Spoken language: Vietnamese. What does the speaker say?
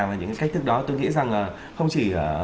và những cái cách thức đó tôi nghĩ rằng là không chỉ